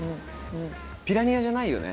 ピラニアじゃないよね？